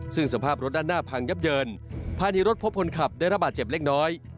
ซึ่งสภาพรถด้านหน้าพังยับเยินภายในรถพบคนขับได้ระบาดเจ็บเล็กน้อย